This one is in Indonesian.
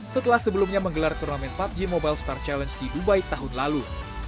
setelah sebelumnya menggelar turnamen pubg mobile star challenge di dubai tahun lalu